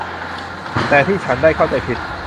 แต่ที่ฉันได้เข้าใจผิด